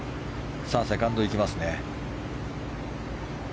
さあ、セカンド行きますね。